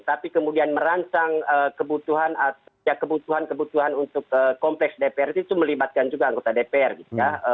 tapi kemudian merancang kebutuhan atau ya kebutuhan kebutuhan untuk kompleks dpr itu melibatkan juga anggota dpr gitu ya